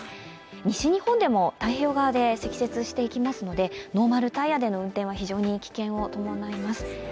西日本でも太平洋側で積雪していきますのでノーマルタイヤでの運転は非常に危険を伴います。